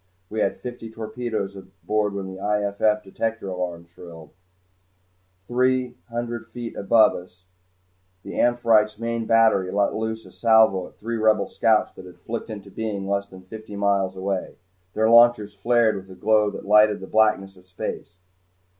We had fifty torpedoes aboard when the I.F.F. detector shrilled alarm. Three hundred feet above us the "Amphitrite's" main battery let loose a salvo at three Rebel scouts that had flickered into being less than fifty miles away. Their launchers flared with a glow that lighted the blackness of space.